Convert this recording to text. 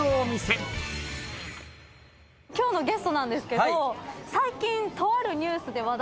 今日のゲストなんですけど。